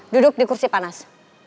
duduk di kursi panas